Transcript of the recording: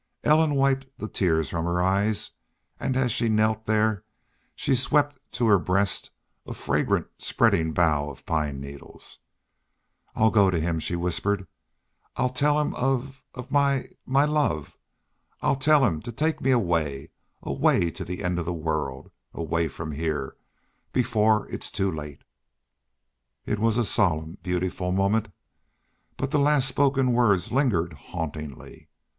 Ellen wiped the tears from her eyes, and as she knelt there she swept to her breast a fragrant spreading bough of pine needles. "I'll go to him," she whispered. "I'll tell him of of my my love. I'll tell him to take me away away to the end of the world away from heah before it's too late!" It was a solemn, beautiful moment. But the last spoken words lingered hauntingly.